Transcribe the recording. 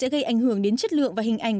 gây ảnh hưởng đến chất lượng và hình ảnh